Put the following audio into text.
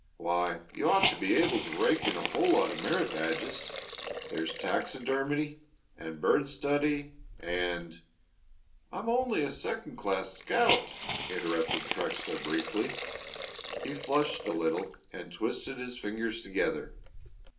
"Why, you ought to be able to rake in a whole lot of merit badges. There's taxidermy and bird study and " "I'm only a second class scout," interrupted Trexler, briefly. He flushed a little and twisted his fingers together.